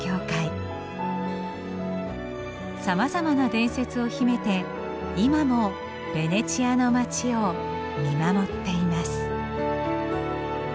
さまざまな伝説を秘めて今もベネチアの街を見守っています。